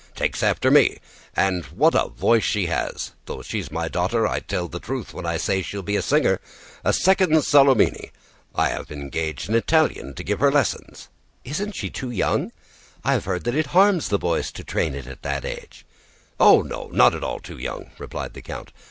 "Takes after me! And what a voice she has; though she's my daughter, I tell the truth when I say she'll be a singer, a second Salomoni! We have engaged an Italian to give her lessons." "Isn't she too young? I have heard that it harms the voice to train it at that age." "Oh no, not at all too young!" replied the count.